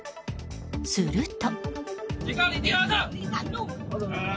すると。